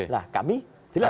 nah kami jelas